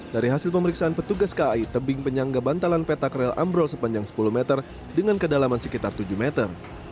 dari hasil pemeriksaan petugas kai tebing penyangga bantalan petak rel ambrol sepanjang sepuluh meter dengan kedalaman sekitar tujuh meter